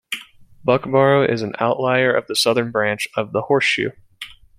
Buckbarrow is an outlier of the southern branch of the horseshoe.